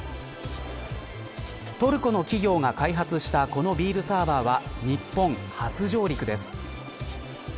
トルコの企業が開発したこのビールサーバーは日本初上陸です。